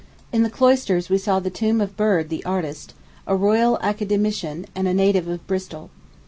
In the cloisters we saw the tomb of Bird the artist, a royal academician, and a native of Bristol.